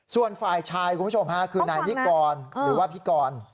ส่วนฝ่ายชายคุณผู้ชมฮะคือนายนิกรหรือว่าพี่กร